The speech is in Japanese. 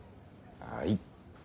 はい。